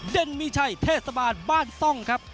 นักมวยจอมคำหวังเว่เลยนะครับ